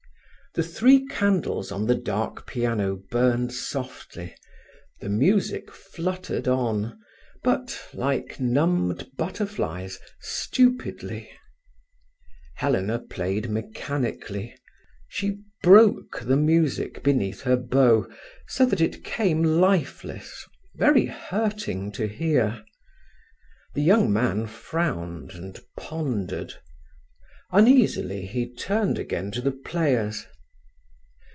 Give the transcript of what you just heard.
The three candles on the dark piano burned softly, the music fluttered on, but, like numbed butterflies, stupidly. Helena played mechanically. She broke the music beneath her bow, so that it came lifeless, very hurting to hear. The young man frowned, and pondered. Uneasily, he turned again to the players.